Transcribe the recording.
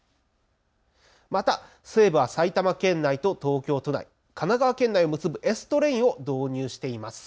また西武は埼玉県内と東京都内、神奈川県内を結ぶＳ−ＴＲＡＩＮを導入しています。